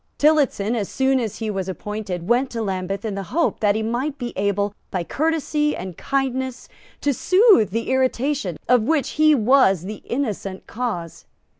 Tillotson, as soon as he was appointed, went to Lambeth in the hope that he might be able, by courtesy and kindness, to soothe the irritation of which he was the innocent cause.